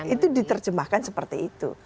itu diterjemahkan seperti itu